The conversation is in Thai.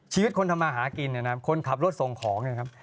ชีวิตคนทำอาหารกินคนขับรถส่งของนี่ครับ